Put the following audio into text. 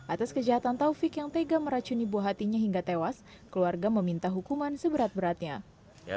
atas kejahatan taufik yang tega meracuni buah hatinya hingga tewas keluarga meminta hukuman seberat beratnya